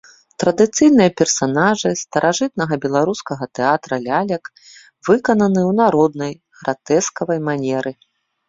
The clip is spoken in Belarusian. Традыцыйныя персанажы старажытнага беларускага тэатра лялек выкананы ў народнай, гратэскавай манеры.